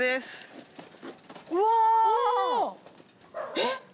えっ！